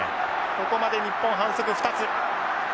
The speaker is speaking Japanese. ここまで日本反則２つ。